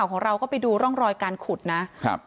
ของเราก็ไปดูร่องรอยการขุดนะครับ